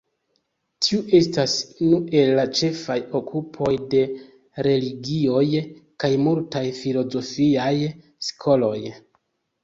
Tiu estas unu el la ĉefaj okupoj de religioj kaj multaj filozofiaj skoloj.